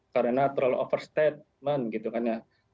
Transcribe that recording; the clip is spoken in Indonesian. karena terlalu overstatement gitu kan ya